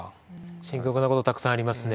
深刻なことたくさんありますね